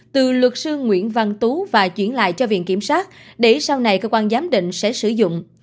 từ luật sư nguyễn văn tú và chuyển lại cho viện kiểm sát để sau này cơ quan giám định sẽ sử dụng